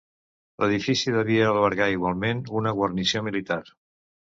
L'edifici devia albergar igualment una guarnició militar.